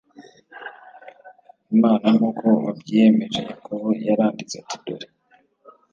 Imana nk uko wabyiyemeje Yakobo yaranditse ati dore